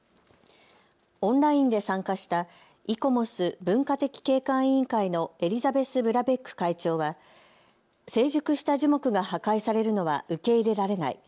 オンラインで参加したイコモス文化的景観委員会のエリザベス・ブラベック会長は成熟した樹木が破壊されるのは受け入れられない。